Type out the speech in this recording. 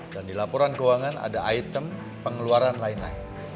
dan di laporan keuangan ada item pengeluaran lain lain